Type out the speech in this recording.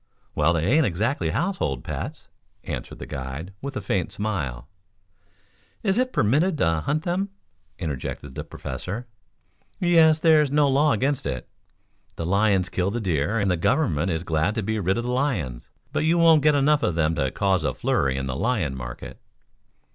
"Well, they ain't exactly household pets," answered the guide, with a faint smile. "Is it permitted to hunt them?" interjected the Professor. "Yes, there's no law against it. The lions kill the deer and the government is glad to be rid of the lions. But you won't get enough of them to cause a flurry in the lion market."